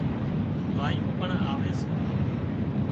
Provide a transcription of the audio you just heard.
ٻايُون پڻ آوي سي